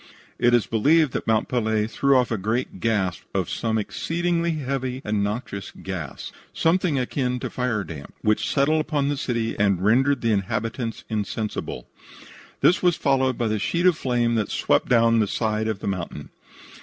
It is believed that Mont Pelee threw off a great gasp of some exceedingly heavy and noxious gas, something akin to firedamp, which settled upon the city and rendered the inhabitants insensible. This was followed by the sheet of flame that swept down the side of the mountain.